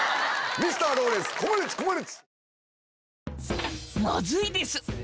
ミスターローレンスコマネチコマネチ！